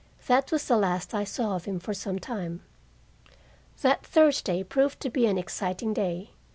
That was the last I saw of him for some time. That Thursday proved to be an exciting day.